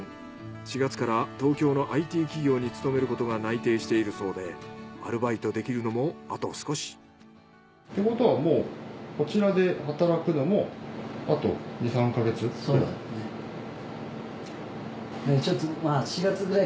４月から東京のＩＴ企業に勤めることが内定しているそうでアルバイトできるのもあと少し。ってことはもうこちらで働くのもあと２３か月くらい？